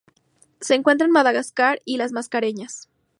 Se encuentra en Madagascar y las Mascareñas.